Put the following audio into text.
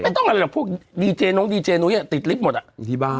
ไม่ต้องอะไรพวกดีเจน้องดีเจนุยะติดลิฟท์หมดอยู่ที่บ้าน